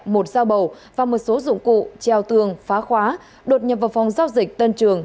một dao bầu và một số dụng cụ treo tường phá khóa đột nhập vào phòng giao dịch tân trường